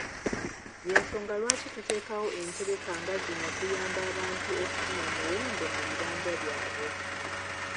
Y’ensonga lwaki tuteekawo entegeka nga zino okuyamba abantu okufuna omuwendo mu bibanja byabwe.